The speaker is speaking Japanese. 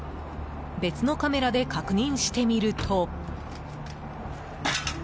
別のカメラで確認してみると。